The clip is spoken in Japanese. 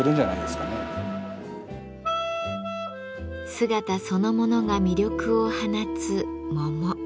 姿そのものが魅力を放つ桃。